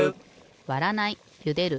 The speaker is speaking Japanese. わらないゆでる